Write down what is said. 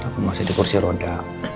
aku masih di kursi roda